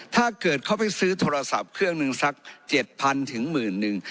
ถ้าเกิดเขาไปซื้อโทรศัพท์เครื่องหนึ่งสัก๗๐๐ถึงหมื่นหนึ่ง